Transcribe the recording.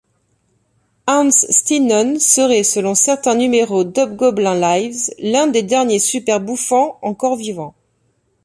Hans Steanon serait, selon certains numéros d'Hobgoblin Lives, l'un des derniers Super-Bouffons encore vivant.